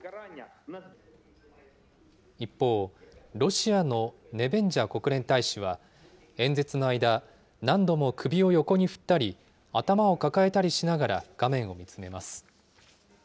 一方、ロシアのネベンジャ国連大使は、演説の間、何度も首を横に振ったり、頭を抱えたりしながら画面を見つめます。